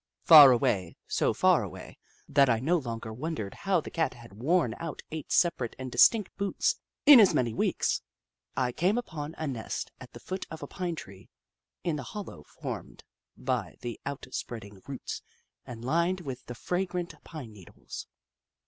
Far away, so far away that I no longer wondered how the Cat had worn out eight separate and distinct boots in as many weeks, I came upon a nest at the foot of a pine tree, in the hollow formed by the out spreading roots, and lined with the fragrant pine needles.